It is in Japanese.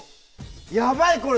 やばい、これ。